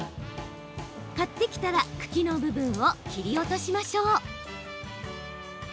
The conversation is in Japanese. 買ってきたら茎の部分を切り落としましょう。